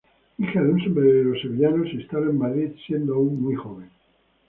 Hija de un sombrerero sevillano, se instala en Madrid siendo aún muy joven.